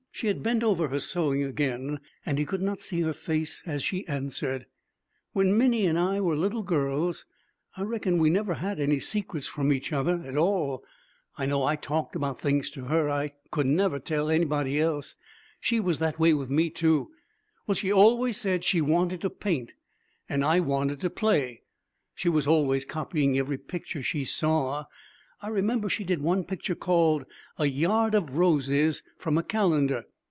She had bent over her sewing again, and he could not see her face as she answered, 'When Minnie and I were little girls, I reckon we never had any secrets from each other, at all. I know I talked about things to her I never could have told anybody else. She was that way with me, too. Well, she always said she wanted to paint, and I wanted to play. She was always copying every picture she saw. I remember she did one picture called A yard of Roses, from a calendar.